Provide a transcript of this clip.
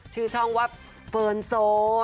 ชื่อช่องว่าเฟิร์นโซน